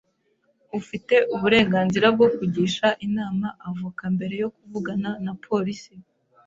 Ufite uburenganzira bwo kugisha inama avoka mbere yo kuvugana na polisi